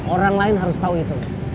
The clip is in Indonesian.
orang lain harus tahu itu